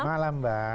selamat malam mbak